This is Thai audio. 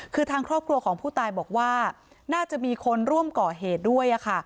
คือทางครอบครัวของผู้ตายบอกว่าน่าจะมีคนร่วมก่อเหตุด้วย